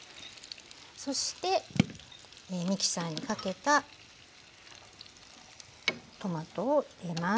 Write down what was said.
そしてミキサーにかけたトマトを入れます。